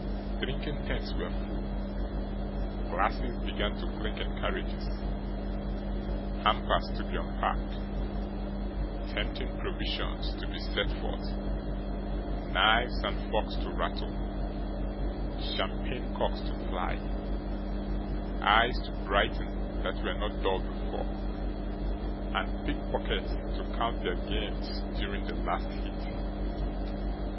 Drinking tents were full, glasses began to clink in carriages, hampers to be unpacked, tempting provisions to be set forth, knives and forks to rattle, champagne corks to fly, eyes to brighten that were not dull before, and pickpockets to count their gains during the last heat.